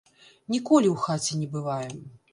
Ніколі ў хаце не бываем.